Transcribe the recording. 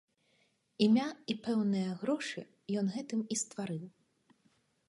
Імя і пэўныя грошы ён гэтым і стварыў.